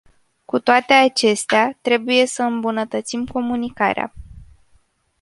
Cu toate acestea, trebuie să îmbunătățim comunicarea.